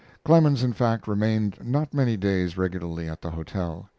Clemens, in fact, remained not many days regularly at the hotel.